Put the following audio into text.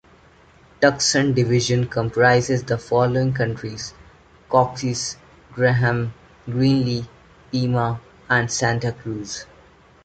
Tucson Division comprises the following counties: Cochise, Graham, Greenlee, Pima, and Santa Cruz.